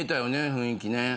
雰囲気ね。